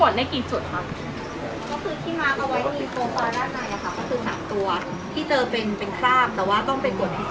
สวัสดีครับ